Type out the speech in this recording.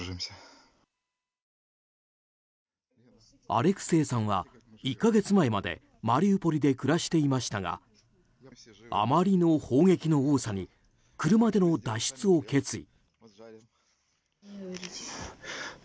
アレクセイさんは１か月前までマリウポリで暮らしていましたがあまりの砲撃の多さに車での脱出を決意。